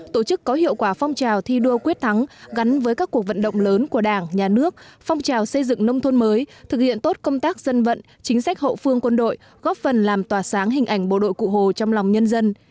tổ chức có hiệu quả phong trào thi đua quyết thắng gắn với các cuộc vận động lớn của đảng nhà nước phong trào xây dựng nông thôn mới thực hiện tốt công tác dân vận chính sách hậu phương quân đội góp phần làm tỏa sáng hình ảnh bộ đội cụ hồ trong lòng nhân dân